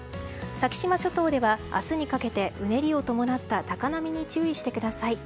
先島諸島では明日にかけてうねりを伴った高波に注意してください。